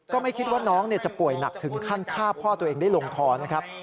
ก็ไม่คิดว่าน้องจะป่วยหนักถึงขั้นฆ่าพ่อตัวเองได้ลงคอนะครับ